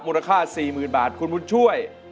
มูลค่า๔๐๐๐บาทคุณบุญช่วย